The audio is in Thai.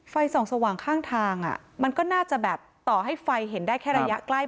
ไฟส่องสว่างข้างทางมันก็น่าจะแบบต่อให้ไฟเห็นได้แค่ระยะใกล้